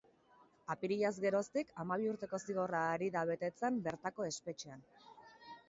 Apirilaz geroztik, hamabi urteko zigorra ari da betetzen bertako espetxean.